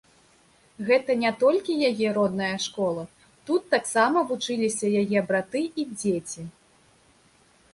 Гэта не толькі яе родная школа, тут таксама вучыліся яе браты і дзеці.